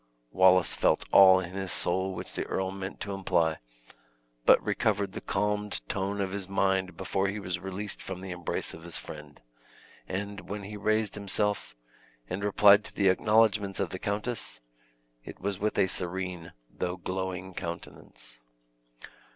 Wallace felt all in his soul which the earl meant to imply; but recovered the calmed tone of his mind before he was released from the embrace of his friend; and when he raised him self, and replied to the acknowledgments of the countess, it was with a serene, though glowing countenance.